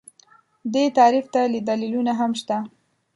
دې تعریف ته دلیلونه هم شته